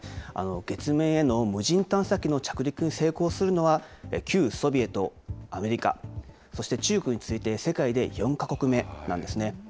月面への無人探査機の着陸に成功するのは、旧ソビエト、アメリカ、そして中国に続いて、世界で４か国目なんですね。